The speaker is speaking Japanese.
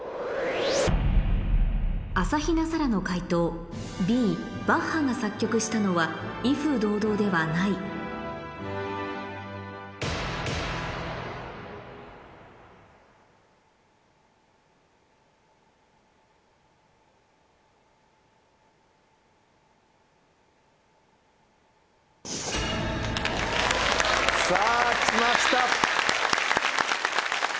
朝比奈沙羅の解答Ｂバッハが作曲したのは『威風堂々』ではないさぁきました。